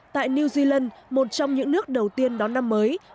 tại new zealand một trong những nước đầu tiên đón năm mới